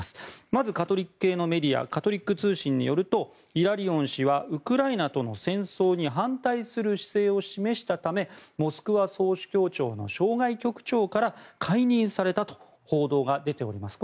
まず、カトリック系のメディアカトリック通信によるとイラリオン氏はウクライナとの戦争に反対する姿勢を示したためモスクワ総主教庁の渉外局長から解任されたと報道が出ております。